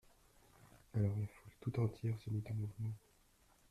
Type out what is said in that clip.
Alors la foule tout entière se mit en mouvement.